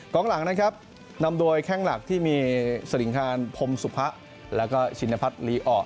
หลังนะครับนำโดยแข้งหลักที่มีสลิงคารพรมสุภะแล้วก็ชินพัฒน์ลีอ่อ